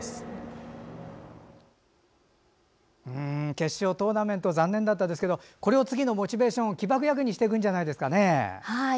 決勝トーナメント残念だったですけどこれを次のモチベーション起爆薬にしていくんじゃないんですかね。